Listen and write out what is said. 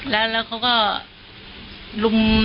แล้วเก่งแล้วยังไงอีก